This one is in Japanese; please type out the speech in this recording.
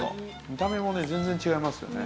見た目もね全然違いますよね。